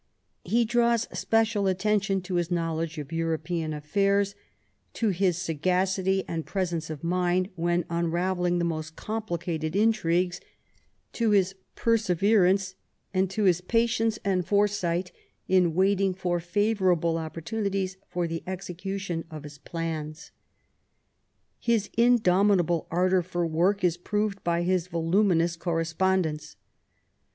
He draws special attention to his knowledge of European affairs, to his sagacity and presence of mind when un ravelling the most complicated intrigues, to his per severance, and to his patience and foresight in waiting for favourable opportunities for the execution of his plans. His indomitable ardour for work is proved by his voluminous correspondence.